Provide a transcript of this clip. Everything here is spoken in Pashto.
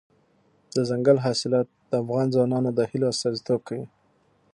دځنګل حاصلات د افغان ځوانانو د هیلو استازیتوب کوي.